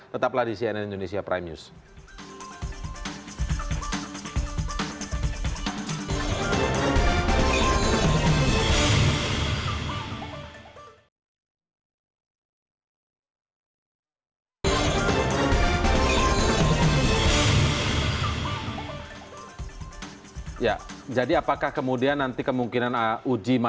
tetaplah di cnn indonesia prime news